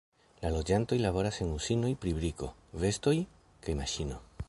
La loĝantoj laboras en uzinoj pri briko, vestoj kaj maŝino.